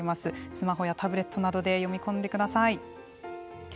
スマホやタブレットなどで読み込んでください。